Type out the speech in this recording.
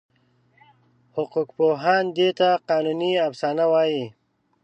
حقوقپوهان دې ته قانوني افسانه وایي.